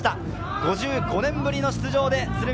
５５年ぶりの出場で鶴見